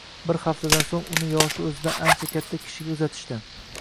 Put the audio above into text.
Bir haftadan so`ng uni yoshi o`zidan ancha katta kishiga uzatishdi